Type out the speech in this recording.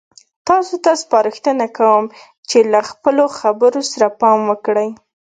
تاسو ته سپارښتنه کوم چې له خپلو خبرو سره پام کوئ.